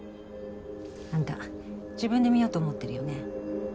あんた自分で見ようと思ってるよね。